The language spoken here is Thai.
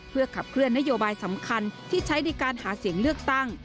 เพื่อขับเคลื่อนนโยบายสำคัญที่ใช้ในการหาเสียงเลือกตั้ง